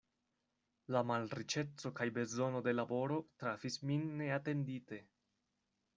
La malriĉeco kaj bezono de laboro trafis min neatendite.